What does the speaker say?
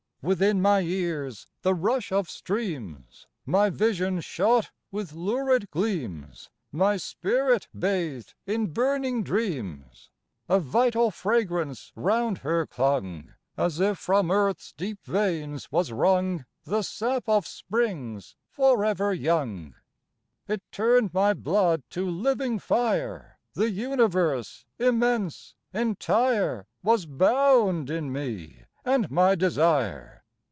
Within my ears the rush of streams, My vision shot with lurid gleams, My spirit bathed in burning dreams! A vital fragrance round her clung, As if from earth's deep veins was wrung The sap of springs for ever young. It turned my blood to living fire, The universe immense, entire, Was bound in me, and my desire.